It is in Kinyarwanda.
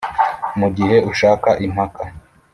mugihe ushaka impaka,